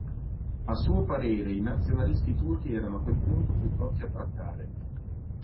A suo parere, i nazionalisti turchi erano a quel punto più pronti a trattare.